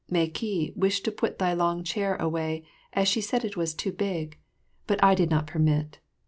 Meh ki wished to put thy long chair away, as she said it was too big; but I did not permit.